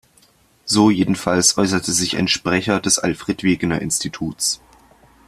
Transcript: So jedenfalls äußerte sich ein Sprecher des Alfred-Wegener-Instituts.